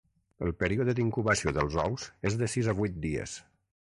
El període d'incubació dels ous és de sis a vuit dies.